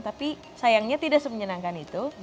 tapi sayangnya tidak semenyenangkan itu